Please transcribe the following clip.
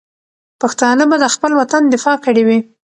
پښتانه به د خپل وطن دفاع کړې وي.